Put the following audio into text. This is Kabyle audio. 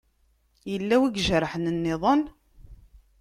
Yella wi ijerḥen nniḍen?